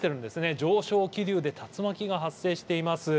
上昇気流で竜巻が発生しています。